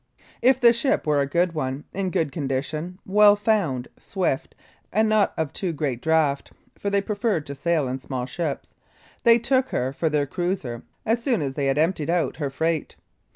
If the ship were a good one, in good condition, well found, swift, and not of too great draught (for they preferred to sail in small ships), they took her for their cruiser as soon as they had emptied out her freight.